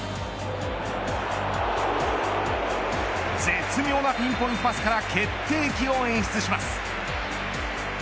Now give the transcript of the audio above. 絶妙なピンポイントパスから決定機を演出します。